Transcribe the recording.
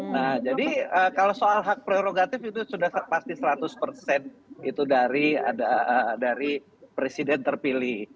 nah jadi kalau soal hak prerogatif itu sudah pasti seratus persen itu dari presiden terpilih